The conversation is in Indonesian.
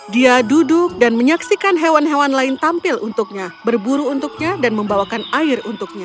dia duduk dan menyaksikan hewan hewan lain tampil untuknya berburu untuknya dan membawakan air untuknya